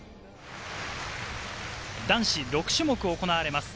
男子、６種目行われます。